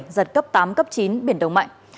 giật cấp tám cấp chín biển đông mạnh